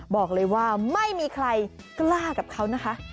บอกเลยว่าไม่มีใครกล้ากับเขานะคะ